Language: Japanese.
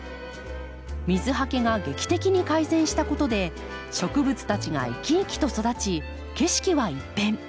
水はけが劇的に改善したことで植物たちが生き生きと育ち景色は一変。